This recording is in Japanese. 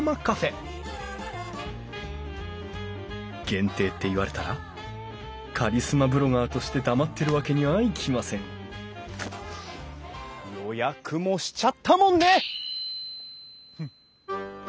限定って言われたらカリスマブロガーとして黙ってるわけにはいきません予約もしちゃったもんね！